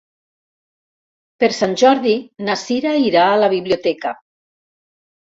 Per Sant Jordi na Sira irà a la biblioteca.